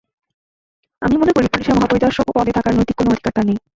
আমি মনে করি, পুলিশের মহাপরিদর্শক পদে থাকার নৈতিক কোনো অধিকার তাঁর নেই।